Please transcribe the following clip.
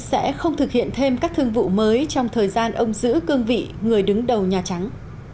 sẽ không thực hiện thêm các thương vụ mới trong thời gian ông giữ cương vị người đứng đầu nhà trắng